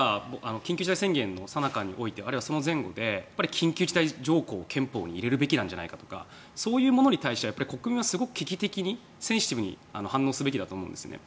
緊急事態宣言のさなかにおいてあるいはその前後で緊急事態条項を憲法に入れるべきではないかとそういうものに対して国民はすごく危機的にセンシティブに反応すべきだと思うんです。